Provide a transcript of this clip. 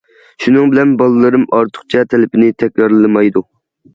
شۇنىڭ بىلەن بالىلىرىم ئارتۇقچە تەلىپىنى تەكرارلىمايدۇ.